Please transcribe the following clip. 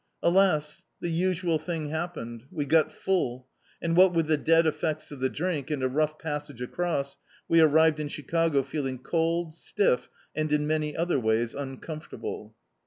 Alas! the usual thing happened — we got full ; and what with the dead effects of the drink, and a rough passage across, we arrived in Chicago feeling cold, stiff, and in many other ways uncomfortable.